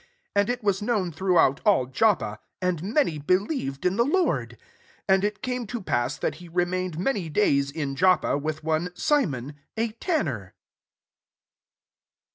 4£ And it was known throughout all Jop pa ; and many believed in the Lord. 43 And it came to pass that he remained many days in Joppa with one Simon a tan ner.